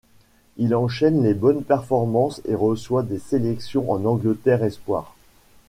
Il enchaîne les bonnes performances et reçoit des sélections en Angleterre espoirs.